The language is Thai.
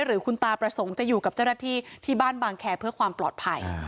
หรือคุณตาประสงค์จะอยู่กับเจ้าหน้าที่ที่บ้านบางแคร์เพื่อความปลอดภัย